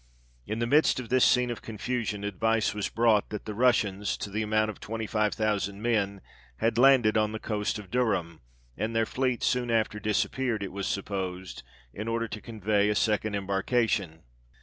In the midst of this scene of confusion, advice was brought, that the Russians, to the amount of 25,000 men, had landed on the coast of Durham, and their fleet soon after disappeared, it was supposed, in order to convey a second embarkation.